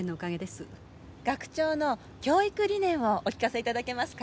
学長の教育理念をお聞かせいただけますか？